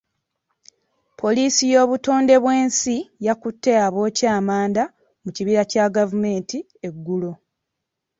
Poliisi y'obutondebwensi yakutte abookya amanda mu kibira kya gavumenti eggulo.